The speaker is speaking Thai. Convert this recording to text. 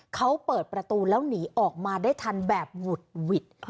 เขาเปิดประตูแล้วหนีออกมาได้ทันแบบหวุดหวิด